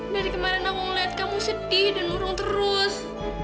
dari kemarin aku ngeliat kamu sedih dan murung terus